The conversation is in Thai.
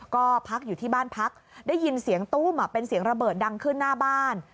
ก็พักอยู่ที่บ้านพักได้ยินเสียงตู้มเป็นเสียงระเบิดดังขึ้นหน้าบ้าน